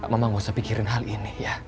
mama gausah pikirin hal ini ya